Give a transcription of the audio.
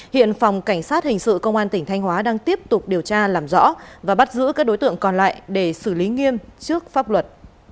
hiện phòng cảnh sát hình sự công an tỉnh thanh hóa đang tiếp tục điều tra làm rõ và bắt giữ các đối tượng còn lại để xử lý nghiêm trước pháp luật